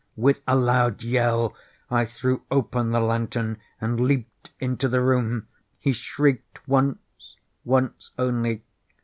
With a loud yell, I threw open the lantern and leaped into the room. He shrieked once—once only.